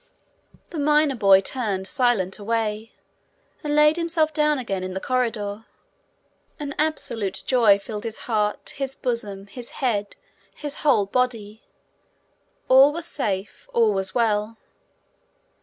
The miner boy turned silent away, and laid himself down again in the corridor. An absolute joy filled his heart, his bosom, his head, his whole body. All was safe; all was well.